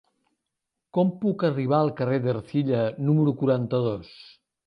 Com puc arribar al carrer d'Ercilla número quaranta-dos?